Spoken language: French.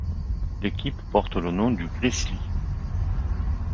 L'équipe porte le nom du Grizzly.